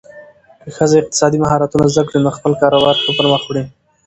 که ښځه اقتصادي مهارتونه زده کړي، نو خپل کاروبار ښه پرمخ وړي.